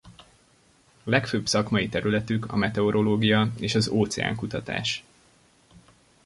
Legfőbb szakmai területük a meteorológia és az óceán kutatás.